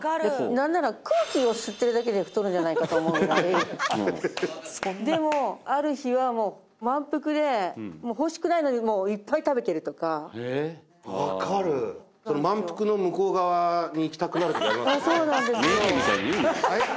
何なら空気を吸ってるだけで太るんじゃないかと思うぐらいでもある日はもう満腹でもう欲しくないのにいっぱい食べてるとかえっ分かるそうなんですよ